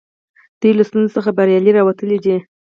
دوی له ستونزو څخه بریالي راوتلي دي.